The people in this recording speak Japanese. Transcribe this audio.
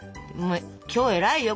今日偉いよ。